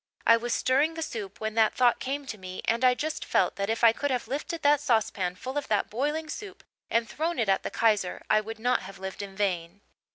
I was stirring the soup when that thought came to me and I just felt that if I could have lifted that saucepan full of that boiling soup and thrown it at the Kaiser I would not have lived in vain."